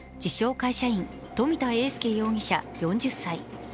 会社員、冨田英佑容疑者４０歳。